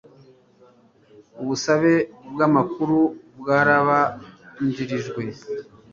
ubusabe bw amakuru bwarabanjirijwe